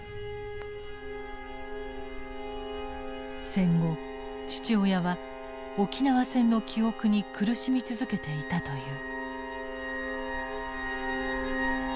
戦後父親は沖縄戦の記憶に苦しみ続けていたという。